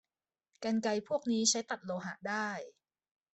กรรไกรพวกนี้ใช้ตัดโลหะได้